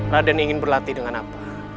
raden ingin berlatih dengan apa